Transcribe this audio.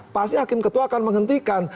pasti hakim ketua akan menghentikan